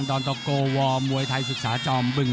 อนตะโกวอร์มวยไทยศึกษาจอมบึง